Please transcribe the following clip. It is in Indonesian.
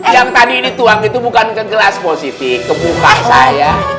yang tadi ini tuang itu bukan ke gelas positif ke buka saya